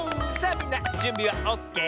みんなじゅんびはオッケー？